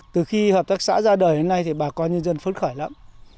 từ khi hợp tác xã ra đời đến nay thì bà con nhân dân phấn khởi lắm